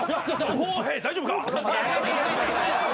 大丈夫か？